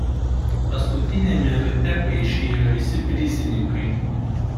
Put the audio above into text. Paskutiniame rate paiškėjo visi prizininkai.